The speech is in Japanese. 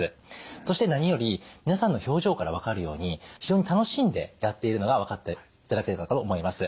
そして何より皆さんの表情から分かるように非常に楽しんでやっているのが分かっていただけるかと思います。